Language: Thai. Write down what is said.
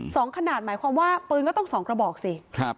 สองขนาดหมายความว่าปืนก็ต้องสองกระบอกสิครับ